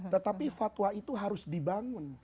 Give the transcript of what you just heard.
tetapi fatwa itu harus dibangun